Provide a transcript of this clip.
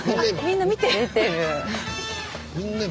みんな見てる。